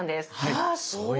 はあそう。